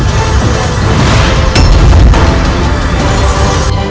tolong selamatkanlah kakakku